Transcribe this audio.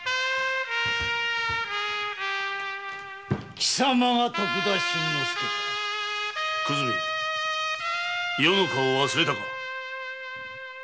キサマが徳田新之助か久住余の顔を忘れたか。